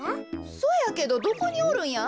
そやけどどこにおるんや？